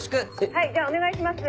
はいじゃあお願いします。